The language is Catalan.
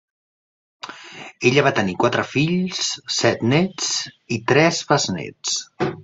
Ella va tenir quatre fills, set nets i tres besnets.